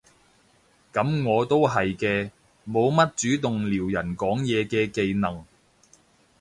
噉我都係嘅，冇乜主動撩人講嘢嘅技能